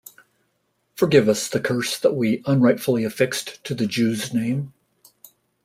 Forgive us the curse that we unrightfully affixed to the Jews' name.